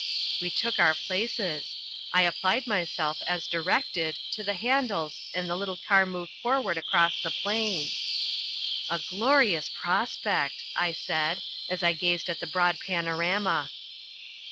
We took our places. I applied myself, as directed, to the handles and the little car moved forward across the plain. "A glorious prospect," I said, as I gazed at the broad panorama.